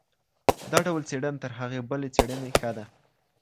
دا ډول څېړنه تر هغې بلې څېړني ښه ده.